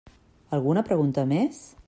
Alguna pregunta més?